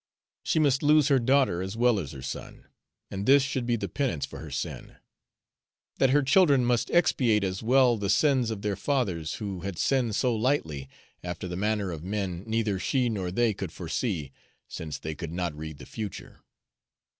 She must lose her daughter as well as her son, and this should be the penance for her sin. That her children must expiate as well the sins of their fathers, who had sinned so lightly, after the manner of men, neither she nor they could foresee, since they could not read the future.